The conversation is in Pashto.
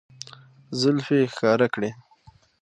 زلفې يې ښکاره کړې